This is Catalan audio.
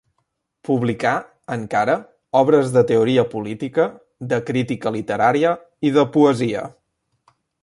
Publicà, encara, obres de teoria política de crítica literària i de poesia.